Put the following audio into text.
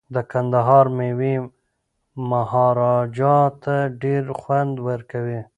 د کندهار میوې مهاراجا ته ډیر خوند ورکوي.